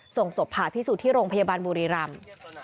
ส่งศพผ่าพิสูจน์ที่โรงพยาบาลบุรีรำ